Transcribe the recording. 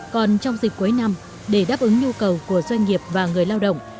còn trong dịp cuối năm để đáp ứng nhu cầu của doanh nghiệp và người lao động